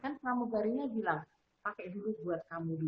kan pramugarinya bilang pakai dulu buat kamu dulu